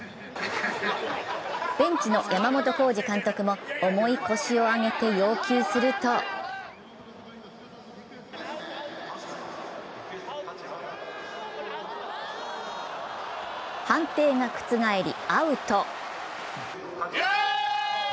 ベンチの山本浩二監督も重い腰を上げて要求すると判定が覆り、アウト。